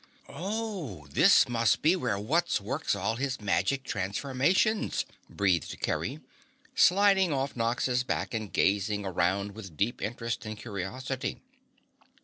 "Oh, this must be where Wutz works all his magic transformations," breathed Kerry, sliding off Nox's back and gazing around with deep interest and curiosity.